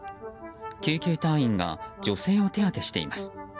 救急隊員が女性を手当てしています。